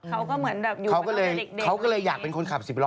เขาก็เหมือนอยู่ประมาณเด็กเขาก็เลยอยากเป็นคนขับ๑๐ล้อ